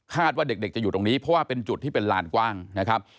ว่าเด็กจะอยู่ตรงนี้เพราะว่าเป็นจุดที่เป็นลานกว้างนะครับ